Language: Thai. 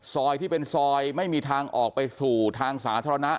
ซอยที่เป็นซอยไม่มีทางออกไปสู่ทางสาธารณะ